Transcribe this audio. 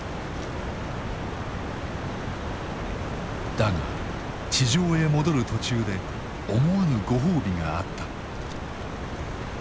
だが地上へ戻る途中で思わぬご褒美があった。